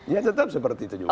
ya tetap seperti itu juga